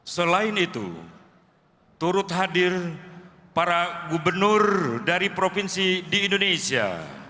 selain itu turut hadir para gubernur dari provinsi di indonesia